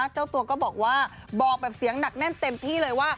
เจ้าตัวก็บอกว่าบอกแบบเสียงหนักแน่นเต็มที่เลยว่า